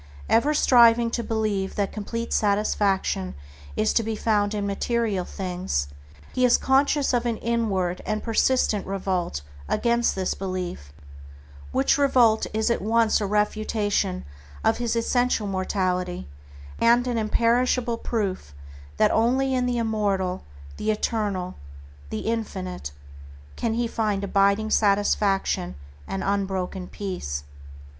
Ever striving to believe that complete satisfaction is to be found in material things, he is conscious of an inward and persistent revolt against this belief, which revolt is at once a refutation of his essential mortality, and an inherent and imperishable proof that only in the immortal, the eternal, the infinite can he find abiding satisfaction and unbroken peace.